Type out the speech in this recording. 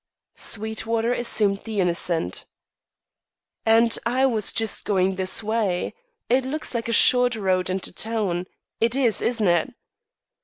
Sweetwater assumed the innocent. "And I was just going this way. It looks like a short road into town. It is, isn't it?"